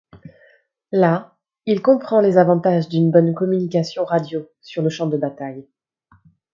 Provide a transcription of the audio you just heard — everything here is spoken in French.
Là, il comprend les avantages d’une bonne communication radio sur le champ de bataille.